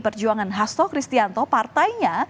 perjuangan hasto kristianto partainya